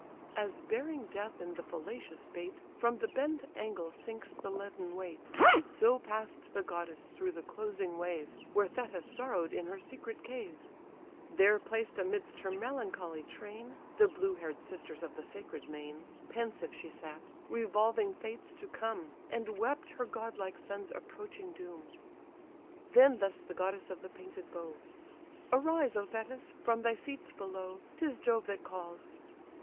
As bearing death in the fallacious bait, From the bent angle sinks the leaden weight; So pass'd the goddess through the closing wave, Where Thetis sorrow'd in her secret cave: There placed amidst her melancholy train (The blue hair'd sisters of the sacred main) Pensive she sat, revolving fates to come, And wept her godlike son's approaching doom. Then thus the goddess of the painted bow: "Arise, O Thetis! from thy seats below, 'Tis Jove that calls."